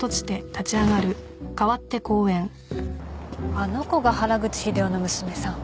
あの子が原口秀夫の娘さん。